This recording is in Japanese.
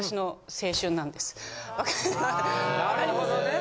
あなるほどね。